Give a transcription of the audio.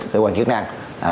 cơ quan chức năng